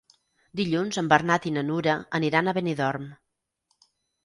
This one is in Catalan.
Dilluns en Bernat i na Nura aniran a Benidorm.